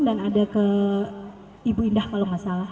dan ada ke ibu indah kalau gak salah